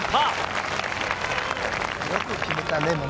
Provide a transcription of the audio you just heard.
よく決めたね、今ね。